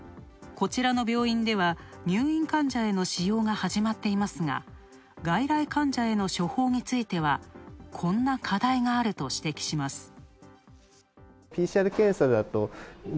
こちらの病院では、入院患者への使用が始まっていますが、外来患者への処方についてはこんな課題があると指摘します。